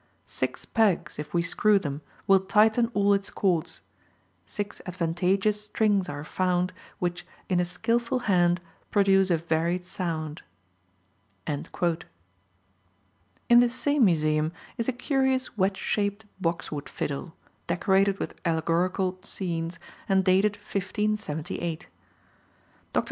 Six pegs, if we screw them, will tighten all its chords; six advantageous strings are found, which, in a skilful hand, produce a varied sound." In this same museum is a curious wedge shaped boxwood fiddle, decorated with allegorical scenes, and dated 1578. Dr.